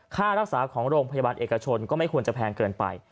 ค่ารักษาของโรงพยาบาลเอกชนก็ไม่ควรจะแพงเกินไป